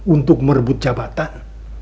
untuk merebut jabatan